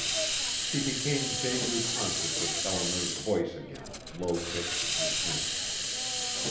She became vaguely conscious of Eleanor's voice again, low pitched and tense.